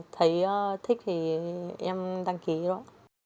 thấy thích thì em đăng ký thôi